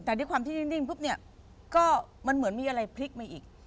แต่ด้วยความที่นิ่งปุ๊บเนี่ยก็มันเหมือนมีอะไรพลิกมาอีก